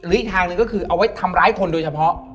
อีกทางหนึ่งก็คือเอาไว้ทำร้ายคนโดยเฉพาะ